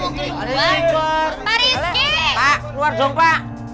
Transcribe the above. pak keluar dong pak